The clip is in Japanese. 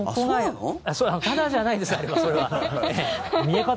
ただじゃないですそれは。